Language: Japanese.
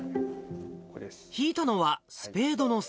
引いたのはスペードの３。